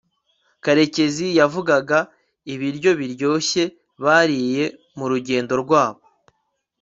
karekezi yavugaga ibiryo biryoshye bariye murugendo rwabo